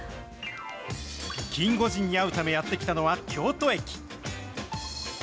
キンゴジンに会うためやって来たのは、京都駅。